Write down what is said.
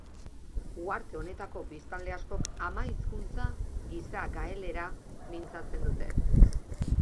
Uharte honetako biztanle askok ama hizkuntza gisa gaelera mintzatzen dute.